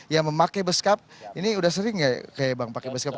yang memakai beskap ini udah sering gak kayak bang pakai beskap